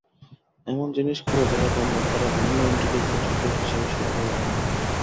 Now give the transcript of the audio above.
এমন জিনিস খোঁড়ে যারা ধন্য তারা ধন্যইন্টেলিজেন্ট লোক হিসেবে সবার আগে গণ্য।